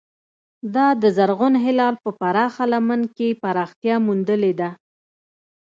دا د زرغون هلال په پراخه لمن کې پراختیا موندلې ده.